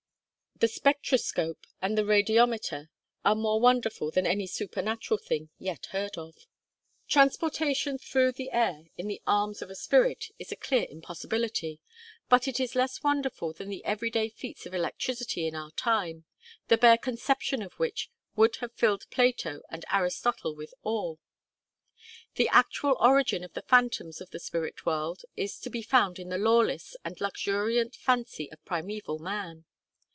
The spectroscope and the radiometer are more wonderful than any 'supernatural' thing yet heard of. Transportation through the air in the arms of a spirit is a clear impossibility; but it is less wonderful than the every day feats of electricity in our time, the bare conception of which would have filled Plato and Aristotle with awe. The actual origin of the phantoms of the spirit world is to be found in the lawless and luxuriant fancy of primeval man.